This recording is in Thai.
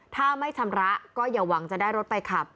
ถ้าไม่ชำระก็อย่าหวังจะได้รถไปขับ